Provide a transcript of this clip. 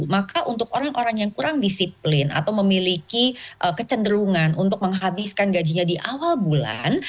maka untuk orang orang yang kurang disiplin atau memiliki kecenderungan untuk menghabiskan gajinya di awal bulan